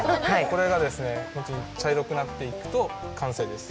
これがですね、後に茶色くなっていくと完成です。